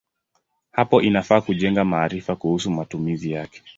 Hapo inafaa kujenga maarifa kuhusu matumizi yake.